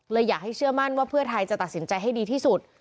อยากให้เชื่อมั่นว่าเพื่อไทยจะตัดสินใจให้ดีที่สุด